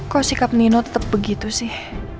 kok sikap nino tetap begitu sih